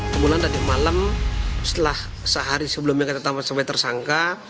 kemulai dari malam setelah sehari sebelumnya kita sampai tersangka